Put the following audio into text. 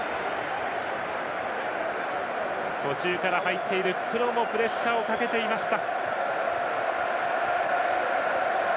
途中から入っているクロもプレッシャーをかけていました。